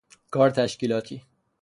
کار تشکیلاتی